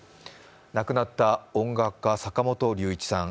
亡くなった音楽家坂本龍一さん。